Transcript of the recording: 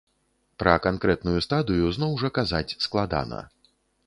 Пра канкрэтную стадыю, зноў жа, казаць складана.